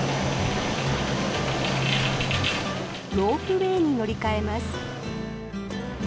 ロープウェーに乗り換えます。